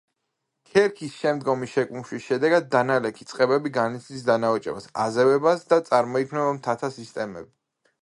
ქერქის შემდგომი შეკუმშვის შედეგად დანალექი წყებები განიცდის დანაოჭებას, აზევებას და წარმოიქმნება მთათა სისტემები.